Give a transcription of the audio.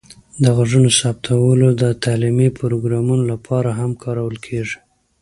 د غږونو ثبتول د تعلیمي پروګرامونو لپاره هم کارول کیږي.